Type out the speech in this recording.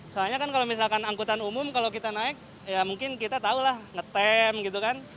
soalnya kan kalau misalkan angkutan umum kalau kita naik ya mungkin kita tahu lah ngetem gitu kan